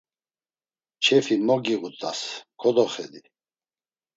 Çefi mo giğut̆as, kodoxedi!